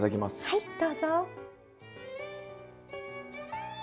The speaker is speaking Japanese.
はいどうぞ。